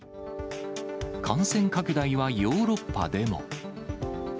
感染拡大はヨーロッパでも。